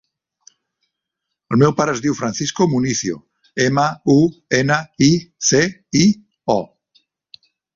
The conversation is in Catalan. El meu pare es diu Francisco Municio: ema, u, ena, i, ce, i, o.